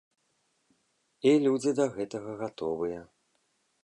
І людзі да гэтага гатовыя.